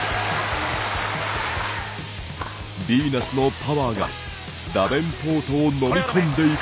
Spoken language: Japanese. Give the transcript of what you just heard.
ビーナスのパワーがダベンポートを飲み込んでいく。